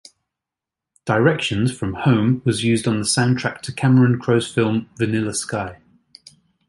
"Directions" from "Home" was used on the soundtrack to Cameron Crowe's film "Vanilla Sky".